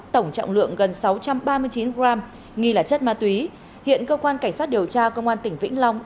tổng trọng lượng gần sáu trăm ba mươi chín g nghi là chất ma túy hiện cơ quan cảnh sát điều tra công an tỉnh vĩnh long